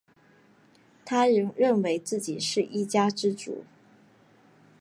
他认为自己是一家之主